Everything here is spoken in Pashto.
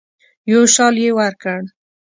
یو شال یې ورکړ.